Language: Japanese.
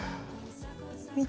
見て。